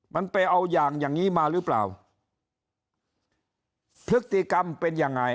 มันไปเอาอย่างอย่างงี้มาหรือเปล่าพฤติกรรมเป็นยังไง